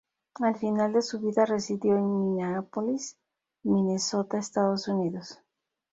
Al final de su vida residió en Minneapolis, Minnesota, Estados Unidos.